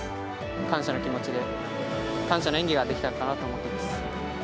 感謝の気持ちで、感謝の演技ができたのかなと思っています。